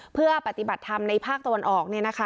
เพื่อปฏิบัติธรรมในภาคตะวันออกเนี่ยนะคะ